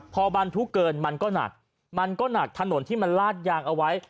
พอบรรทุกเกินมันก็หนักมันก็หนักถนนที่มันลาดยางเอาไว้